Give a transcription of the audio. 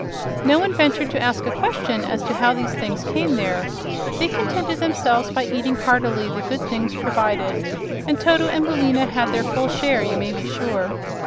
No one ventured to ask a question as to how these things came there. They contented themselves by eating heartily the good things provided, and Toto and Billina had their full share, you may be sure.